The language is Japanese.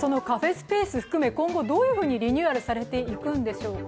スペース含め、今後どのようにリニューアルされていくのでしょうか。